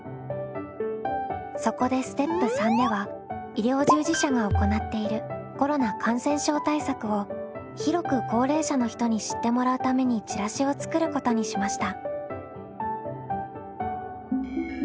そこでステップ３では医療従事者が行っているコロナ感染症対策を広く高齢者の人に知ってもらうためにチラシを作ることにしました。